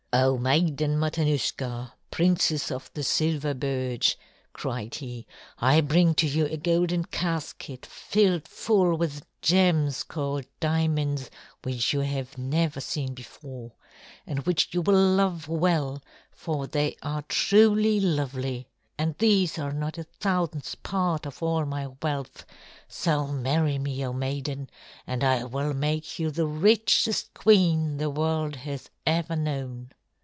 "Oh, Maiden Matanuska, Princess of the Silver Birch," cried he, "I bring to you a golden casket filled full of gems called diamonds which you have never seen before, and which you will love well, for they are truly lovely. And these are not a thousandth part of all my wealth; so marry me, O Maiden, and I will make you the richest queen the world has ever known."